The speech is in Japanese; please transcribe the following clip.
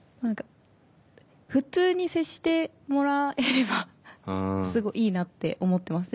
普通に接してもらえればすごいいいなって思ってます。